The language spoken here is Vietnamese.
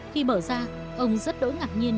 khi bởi ra ông rất đối ngạc nhiên